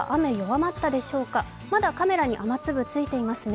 まだカメラに雨粒がついていますね。